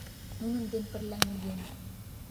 Нунын ден пырля миен.